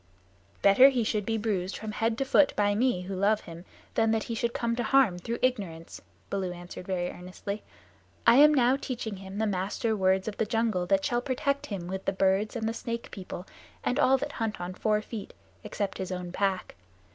"Better he should be bruised from head to foot by me who love him than that he should come to harm through ignorance," Baloo answered very earnestly. "I am now teaching him the Master Words of the Jungle that shall protect him with the birds and the Snake People, and all that hunt on four feet, except his own pack.